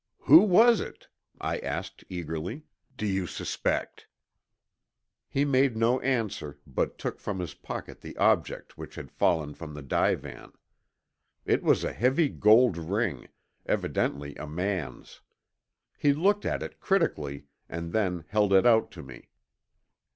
"Who was it?" I asked eagerly. "Do you suspect?" He made no answer but took from his pocket the object which had fallen from the divan. It was a heavy gold ring, evidently a man's. He looked at it critically and then held it out to me.